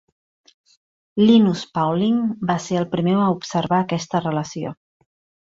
Linus Pauling va ser el primer a observar aquesta relació.